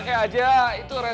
dunia jual jirah